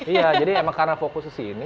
iya jadi emang karena fokus kesini